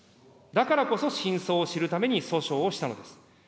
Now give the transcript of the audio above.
だからこそ真相を知るために訴訟をしたのです。